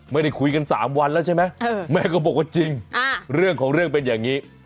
ไม่ได้คุยกัน๓วันแล้วใช่ไหมแม่ก็บอกว่าจริงเรื่องของเรื่องเป็นอย่างนี้